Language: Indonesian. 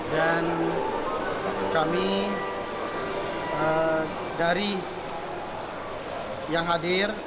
dan kami dari yang hadir